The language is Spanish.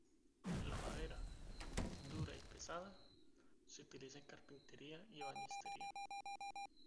La madera, dura y pesada, se utiliza en carpintería y ebanistería.